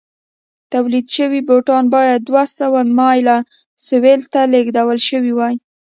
تولید شوي بوټان باید دوه سوه مایل سویل ته لېږدول شوي وای.